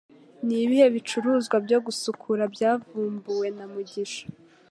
Nibihe bicuruzwa byogusukura byavumbuwe na Mugisha